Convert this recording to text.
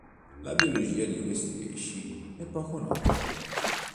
La biologia di questi pesci è poco nota.